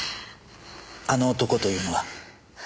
あの男というのは？